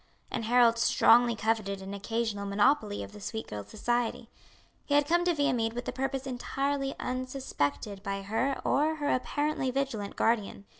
And Harold strongly coveted an occasional monopoly of the sweet girl's society. He had come to Viamede with a purpose entirely unsuspected by her or her apparently vigilant guardian.